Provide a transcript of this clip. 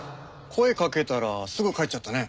声かけたらすぐ帰っちゃったね。